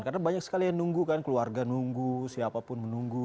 karena banyak sekali yang nunggu kan keluarga nunggu siapapun menunggu